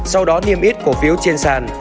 sau đó niêm yết cổ phiếu trên sàn